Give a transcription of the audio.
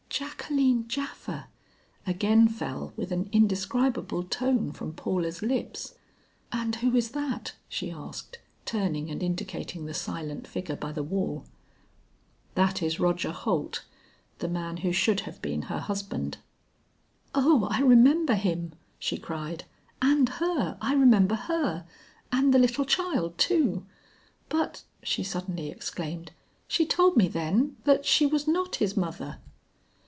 "Jacqueline Japha!" again fell with an indescribable tone from Paula's lips. "And who is that?" she asked, turning and indicating the silent figure by the wall. "That is Roger Holt, the man who should have been her husband." "Oh, I remember him," she cried; "and her, I remember her, and the little child too. But," she suddenly exclaimed, "she told me then that she was not his mother."